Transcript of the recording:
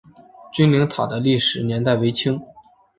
君灵塔的历史年代为清。